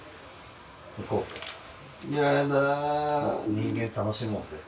人間楽しもうぜ。